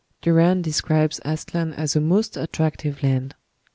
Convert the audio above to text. Duran describes Aztlan as "a most attractive land."